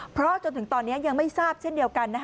เพราะจนถึงตอนนี้ยังไม่ทราบเช่นเดียวกัน